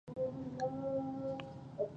هندوانه د ګردو لپاره ګټه لري.